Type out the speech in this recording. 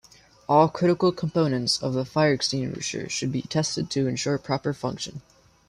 All critical components of the fire extinguisher should be tested to ensure proper function.